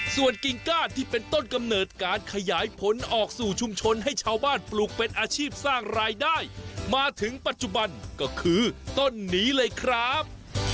ส่วนกิ่งก้านที่เป็นต้นกำเนิดการขยายผลออกสู่ชุมชนให้ชาวบ้านปลูกเป็นอาชีพสร้างรายได้มาถึงปัจจุบันก็คือต้นนี้เลยครับ